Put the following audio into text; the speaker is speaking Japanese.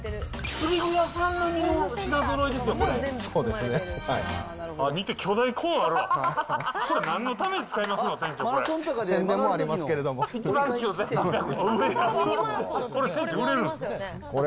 釣り具屋さん並みの品ぞろえですよ、これ。